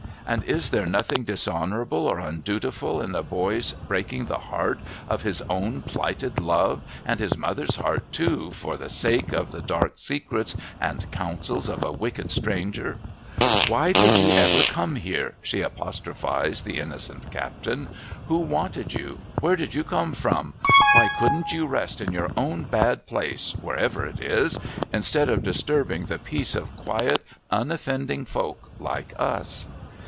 'And is there nothing dishonourable or undutiful in the boy's breaking the heart of his own plighted love, and his mother's heart too, for the sake of the dark secrets and counsels of a wicked stranger ? AVhy did you ever come here ?' she apostrophised the innocent captain. ' W'ho wanted you ? Where did you come from ? Why couldn't you rest in your own bad place, wherever it is, instead of disturbing the peace of quiet unoffending folk like us